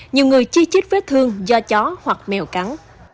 nhiều người chi chích vết thương do chó hoặc mèo cắn